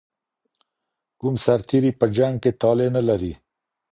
کوم سرتیري په جنګ کي طالع نه لري؟